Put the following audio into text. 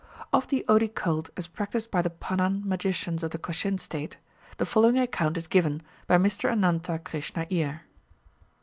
Of the odi cult as practised by the Panan magicians of the Cochin State, the following account is given by Mr Anantha Krishna Iyer.